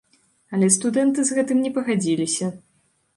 Але студэнты з гэтым не пагадзіліся.